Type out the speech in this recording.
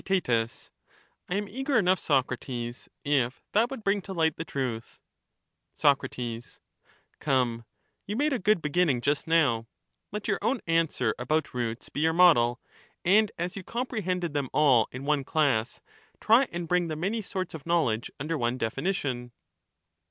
Theaet I am eager enough, Socrates, if that would bring to light the truth. Soc. Come, you made a good beginning just now ; let your own answer about roots be your model, and as you compre hended them all in one class, try and bring the many sorts of knowledge under one definition.